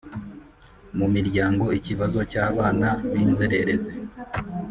Mu miryango ikibazo cy abana b inzererezi